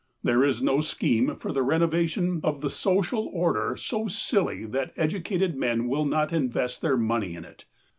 There is no scheme for the renova tion of the social order so silly that educated men will not invest their money in it.